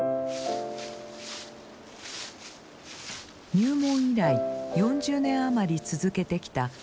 入門以来４０年余り続けてきた僧堂での生活。